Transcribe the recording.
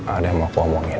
ada yang mau aku omongin